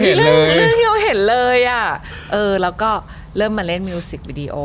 เหมือนที่เราเห็นเลยแล้วก็เริ่มมาเล่นมิวสิกวิดีโอ